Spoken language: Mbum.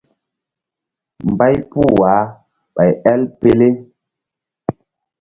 Mbay puh wah ɓay el pele.